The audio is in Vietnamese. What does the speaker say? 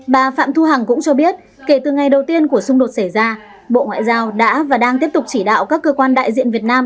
bà phạm thu hằng cũng cho biết kể từ ngày đầu tiên của xung đột xảy ra bộ ngoại giao đã và đang tiếp tục chỉ đạo các cơ quan đại diện việt nam